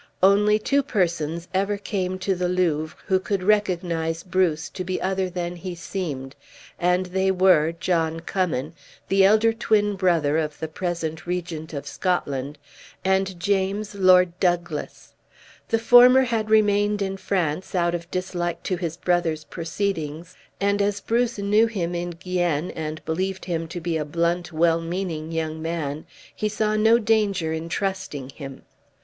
Only two persons ever came to the Louvre who could recognize Bruce to be other than he seemed, and they were, John Cummin, the elder twin brother of the present Regent of Scotland, and James Lord Douglas. The former had remained in France, out of dislike to his brother's proceedings, and as Bruce knew him in Guienne, and believed him to be a blunt, well meaning young man, he saw no danger in trusting him.